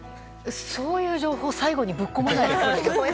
そういう情報最後にぶっこまないで。